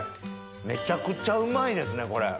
めちゃくちゃうまいですねこれ。